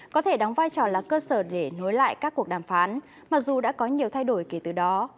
có thể đóng vai trò là cơ sở để nối lại các cuộc đàm phán mặc dù đã có nhiều thay đổi kể từ đó